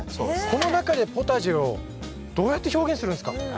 この中でポタジェをどうやって表現するんですか？